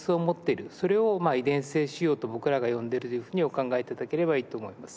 それを遺伝性腫瘍と僕らが呼んでるというふうにお考え頂ければいいと思います。